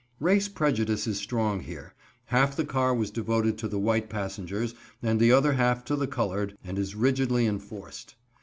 Race prejudice is strong here. Half the car was devoted to the white passengers and the other half to the colored, and is rigidly enforced.